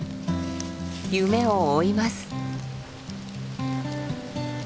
夢を追います。